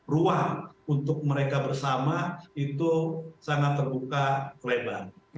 ruang untuk mereka bersama itu sangat terbuka lebar